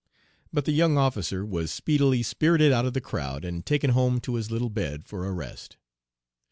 "But the young officer was speedily spirited out of the crowd and taken home to his little bed for a rest.